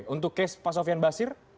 untuk case pak sofian basir